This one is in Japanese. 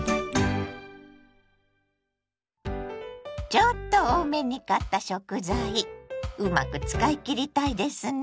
ちょっと多めに買った食材うまく使い切りたいですね。